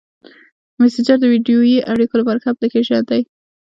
مسېنجر د ویډیويي اړیکو لپاره ښه اپلیکیشن دی.